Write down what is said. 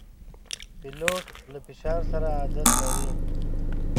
پیلوټ له فشار سره عادت لري.